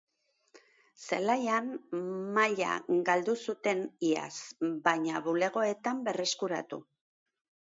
Zelaian maila galdu zuten iaz, baina bulegoetan berreskuratu.